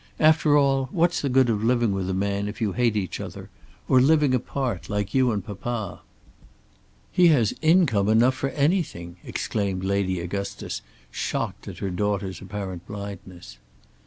After all what's the good of living with a man if you hate each other, or living apart like you and papa?" "He has income enough for anything!" exclaimed Lady Augustus, shocked at her daughter's apparent blindness.